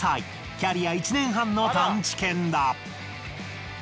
キャリア１年半の探知犬だ。